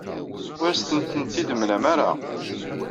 Ur asen-tent-id-temlam ara.